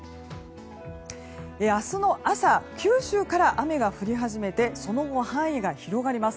明日の朝九州から雨が降り始めてその後、範囲が広がります。